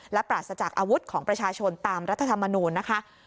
และปราศจากอาวุธของประชาชนตามรัฐธรรมนูญนะคะ